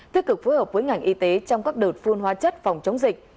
tích cực phối hợp với ngành y tế trong các đợt phun hóa chất phòng chống dịch